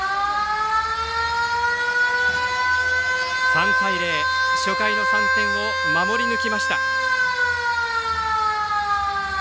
３対０、初回の３点を守り抜きました。